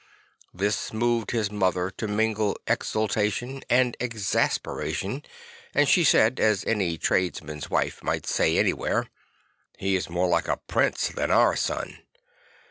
This moved his mother to mingled exultation and exasperation and she said, as any tradesman's wife might say anywhere: II He is more like a prince than our son."